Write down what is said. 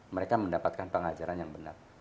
mereka mendapatkan pengajaran yang benar